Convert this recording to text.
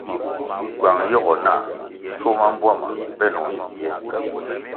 Kywang yogo nah schuo ma mbpuama benoh nzie.